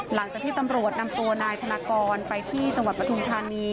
หลังจากที่ตำรวจนำตัวนายธนากรไปที่จังหวัดปทุมธานี